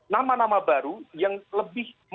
nama nama baru yang lebih